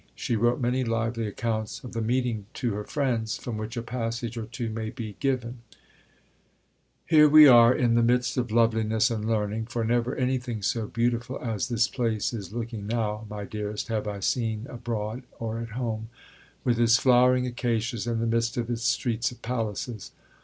She wrote many lively accounts of the meeting to her friends, from which a passage or two may be given: Here we are in the midst of loveliness and learning; for never anything so beautiful as this place is looking now, my dearest, have I seen abroad or at home, with its flowering acacias in the midst of its streets of palaces.